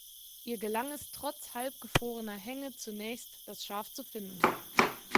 Ihr gelang es trotz halb gefrorener Hänge zunächst, das Schaf zu finden.